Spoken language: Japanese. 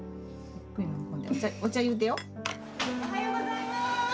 おはようございます！